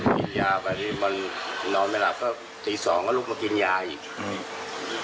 กินยาไปนอนไม่หลับก็ตี๒ก็ลุกมากินยาอีก